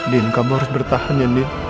din kamu harus bertahan ya din